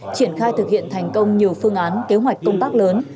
triển khai thực hiện thành công nhiều phương án kế hoạch công tác lớn